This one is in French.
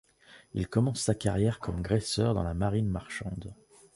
Il commence sa carrière comme graisseur dans la marine marchande.